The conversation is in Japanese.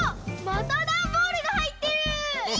またダンボールがはいってる！